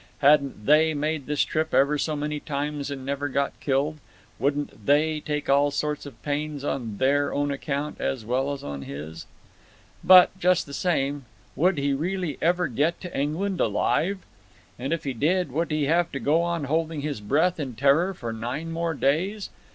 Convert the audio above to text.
Hadn't They made this trip ever so many times and never got killed? Wouldn't They take all sorts of pains on Their own account as well as on his? But—just the same, would he really ever get to England alive? And if he did, would he have to go on holding his breath in terror for nine more days?